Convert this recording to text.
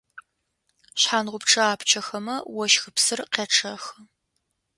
Шъхьангъупчъэ апчхэмэ ощхыпсыр къячъэхы.